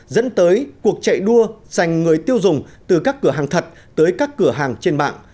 dẫn tới cuộc chạy đua dành người tiêu dùng từ các cửa hàng thật tới các cửa hàng trên mạng